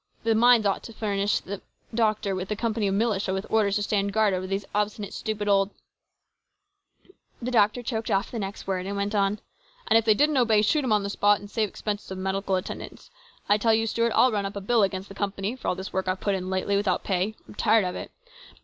The mines ought to furnish the doctor with a company of militia with orders to stand guard over these obstinate, stupid old " The doctor choked off the next word, and went on :" And if they didn't obey, shoot 'em on the spot and save expenses of medical attendance. I tell you, Stuart, I'll run up a bill against the company for all this work I've put in lately without pay. I'm tired of it.